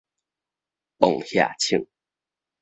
磅額銃